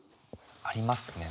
ありますね。